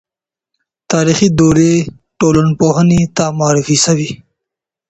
تاریخي دورې ټولنپوهنې ته معرفي سوې.